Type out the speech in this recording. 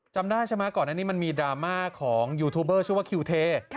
จำได้ใช่ไหมก่อนอันนี้มันมีดราม่าของยูทูบเบอร์ชื่อว่าคิวเท